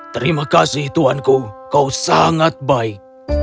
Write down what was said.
terima kasih tuhanku kau sangat baik